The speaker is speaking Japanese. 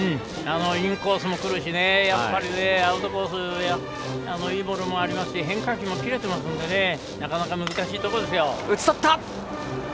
インコースも来るしアウトコースのいいボールもありますし変化球も切れていますので難しいところです。